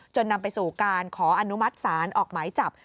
นำไปสู่การขออนุมัติศาลออกหมายจับ